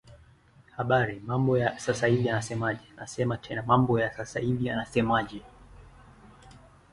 Comment on the overall stylistic effect produced by these stylistic devices.